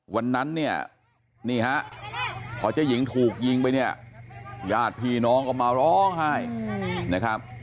วันนั้นเนี่ยนี่ฮะพอเจ๊หญิงถูกยิงไปเนี่ยญาติพี่น้องก็มาร้องไห้นะครับ